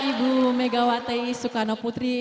ibu megawati sukarno putri